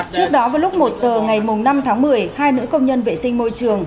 trước đó vào lúc một giờ ngày năm tháng một mươi hai nữ công nhân vệ sinh môi trường